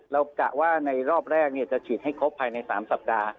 กะว่าในรอบแรกจะฉีดให้ครบภายใน๓สัปดาห์